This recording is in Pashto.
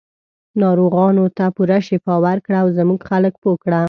ناروغانو ته پوره شفا ورکړه او زموږ خلک پوه کړه.